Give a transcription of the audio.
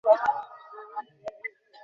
আমি রাজি, যদি তুই আসিস।